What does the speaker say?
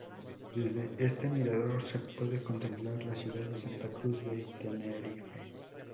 Desde este mirador se puede contemplar la ciudad de Santa Cruz de Tenerife.